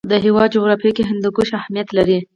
د هېواد جغرافیه کې هندوکش اهمیت لري.